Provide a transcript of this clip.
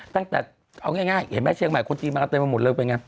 ตั้งแต่เอาง่ายเห็นไหมเชียงใหม่คนจีนมากันเต็มไปหมดเลยเป็นไง